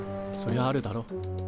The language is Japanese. そりゃあるだろ。